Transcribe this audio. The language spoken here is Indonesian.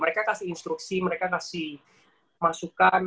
mereka kasih instruksi mereka kasih masukan